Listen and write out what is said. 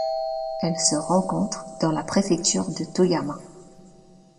Elle se rencontre dans la préfecture de Toyama.